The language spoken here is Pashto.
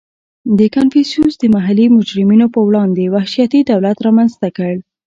• کنفوسیوس د محلي مجرمینو په وړاندې وحشتي دولت رامنځته کړ.